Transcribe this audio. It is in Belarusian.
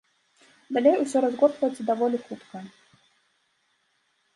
Далей усё разгортваецца даволі хутка.